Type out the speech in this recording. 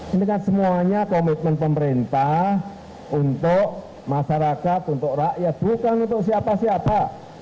ini kan semuanya komitmen pemerintah untuk masyarakat untuk rakyat bukan untuk siapa siapa